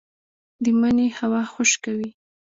د مني هوا خشکه وي